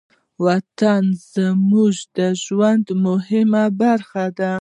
وطن زموږ د ژوند مهمه برخه ده.